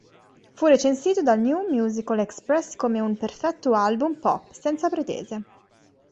Fu recensito dal "New Musical Express" come un "perfetto album pop, senza pretese".